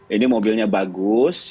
ini mobilnya bagus